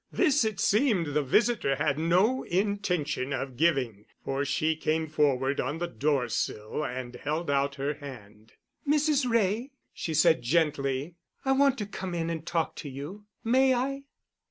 This, it seemed, the visitor had no intention of giving, for she came forward on the door sill and held out her hand. "Mrs. Wray," she said gently, "I want to come in and talk to you. May I?"